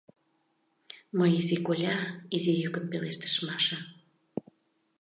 — Мый, изи-коля, — изи йӱкын пелештыш Маша.